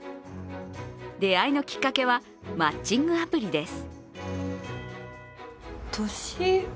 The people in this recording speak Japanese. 出会いのきっかけはマッチングアプリです。